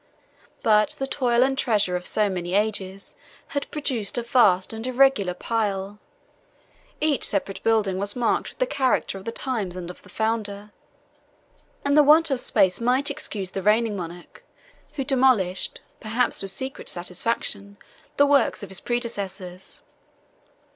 33 But the toil and treasure of so many ages had produced a vast and irregular pile: each separate building was marked with the character of the times and of the founder; and the want of space might excuse the reigning monarch, who demolished, perhaps with secret satisfaction, the works of his predecessors.